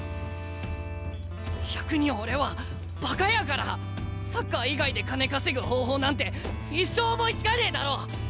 逆に俺はバカやからサッカー以外で金稼ぐ方法なんて一生思いつかねえだろう。